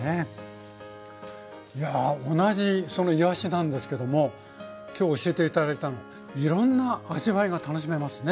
いや同じそのいわしなんですけども今日教えて頂いたのいろんな味わいが楽しめますね。